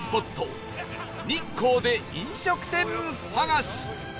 日光で飲食店探し！